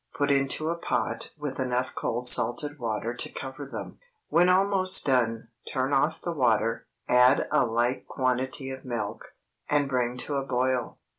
Put into a pot with enough cold salted water to cover them. When almost done, turn off the water, add a like quantity of milk, and bring to a boil.